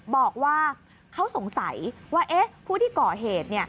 บอกว่าเขาสงสัยว่าผู้ที่ก่อเหตุ